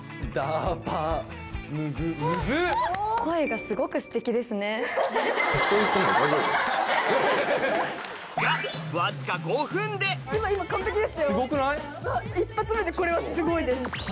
がわずか一発目でこれはすごいです！